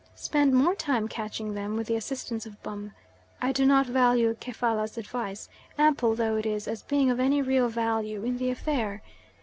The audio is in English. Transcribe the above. Spend more time catching them, with the assistance of Bum. I do not value Kefalla's advice, ample though it is, as being of any real value in the affair.